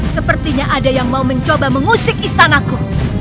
sepertinya ada yang mau mencoba mengusik istanaku